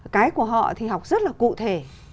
cái của họ thì học rất là cụ thể